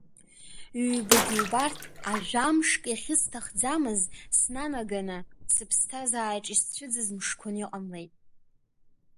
Ҩбагьы убарҭ ажәамшк иахьысҭахӡамыз снанаганы, сыԥсҭазаараҿ исцәыӡыз мышқәаны иҟамлеит!